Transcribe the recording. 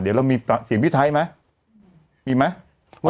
เดี๋ยวเรามีเสียงพี่ไทยไหมมีไหม